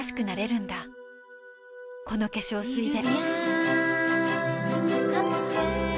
この化粧水で